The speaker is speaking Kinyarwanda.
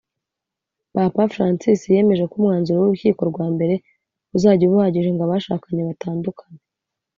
Papa Francis yemeje ko umwanzuro w’urukiko rwa mbere uzajya uba uhagije ngo abashakanye batandukane